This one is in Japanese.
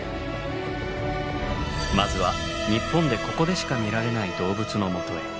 まずは日本でここでしか見られない動物のもとへ。